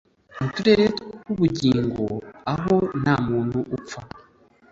mu turere twubugingo, aho ntamuntu upfa